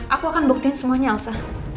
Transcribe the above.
aku akan buktiin semuanya alsa